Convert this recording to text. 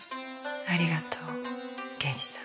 ありがとう刑事さん。